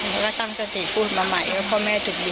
แล้วก็ตั้งสติพูดมาใหม่เพราะพ่อแม่ถูกยิน